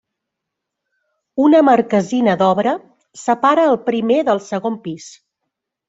Una marquesina d'obra separa el primer del segon pis.